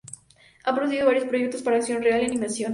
Ha producido varios proyectos para acción real y animación.